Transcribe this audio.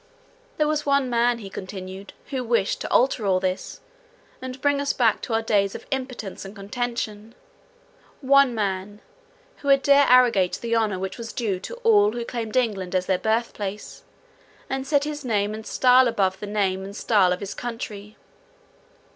There was one man, he continued, who wished to alter all this, and bring us back to our days of impotence and contention:—one man, who would dare arrogate the honour which was due to all who claimed England as their birthplace, and set his name and style above the name and style of his country.